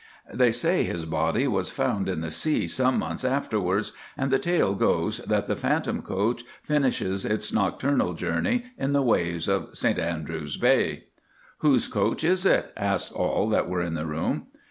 "They say his body was found in the sea some months afterwards, and the tale goes that the phantom coach finishes its nocturnal journey in the waves of St Andrews Bay." "Whose coach is it?" asked all that were in the room.